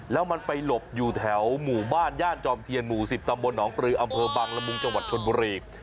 แล้วมันไปหลบอยู่แถวหมู่บ้านย่านจอมเทียนหมู่๑๐ตำบลหนองปลืออำเภอบังละมุงจังหวัดชนบุรี